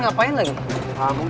eh dia lari dong